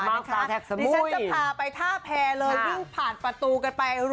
ฉันจะพาไปท่าแพรเลยวิ่งผ่านประตูกันไป